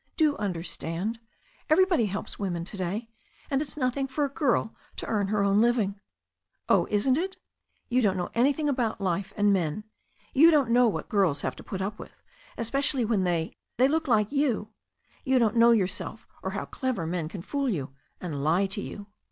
Do understand. Everybody helps women to day. And it's nothing for a girl to earn her own living." "Oh, isn't it? You don't know anything about life and men. You don't know what girls have to put up with, especially when they — ^they look like you. You don*t know yourself, or how clever men can fool you, and lie to you."